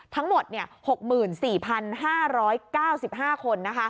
ทั้งหมด๖๔๕๙๕คน